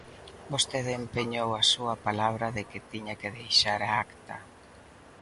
Vostede empeñou a súa palabra de que tiña que deixar a acta.